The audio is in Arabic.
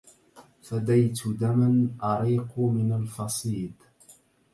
فديت دما أريق من الفصيد